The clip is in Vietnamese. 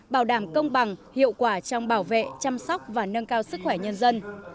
bảo đảm công bằng hiệu quả trong bảo vệ chăm sóc và nâng cao sức khỏe nhân dân